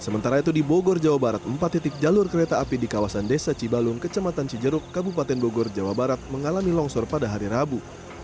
sementara itu di bogor jawa barat empat titik jalur kereta api di kawasan desa cibalung kecamatan cijeruk kabupaten bogor jawa barat mengalami longsor pada hari rabu